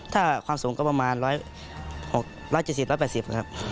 ถ้าความสูงก็ประมาณ๖๗๐๑๘๐นะครับ